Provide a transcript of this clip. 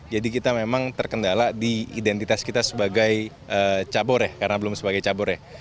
jadi kita memang terkendala di identitas kita sebagai cabur ya karena belum sebagai cabur ya